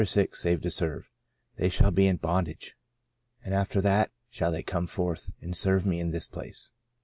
VI SAVED TO SERVE " They shall be in bondage ... and after that, shall they come forth, and serve Me in this place.'